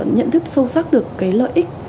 nhận thức sâu sắc được cái lợi ích